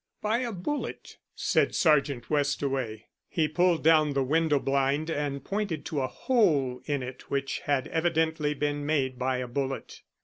"By a bullet," said Sergeant Westaway. He pulled down the window blind and pointed to a hole in it which had evidently been made by a bullet.